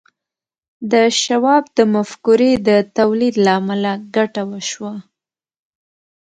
د شواب د مفکورې د تولید له امله ګټه وشوه